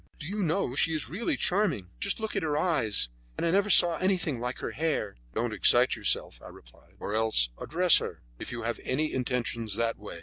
"Do you know, she is really charming. Just look at her eyes; and I never saw anything like her hair." "Don't excite yourself," I replied, "or else address her, if you have any intentions that way.